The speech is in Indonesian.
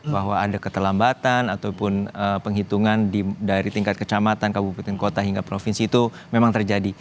bahwa ada keterlambatan ataupun penghitungan dari tingkat kecamatan kabupaten kota hingga provinsi itu memang terjadi